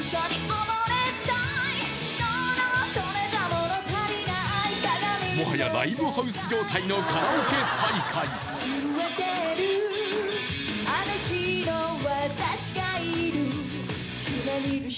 もはやライブハウス状態のカラオケ大会ふるえてる